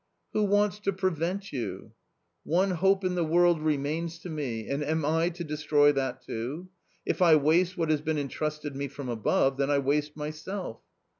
" Who wants to prevent you ?"" One hope in the world remains to me, and am I to destroy that too ? If I waste what has been entrusted me from above, then I waste myself."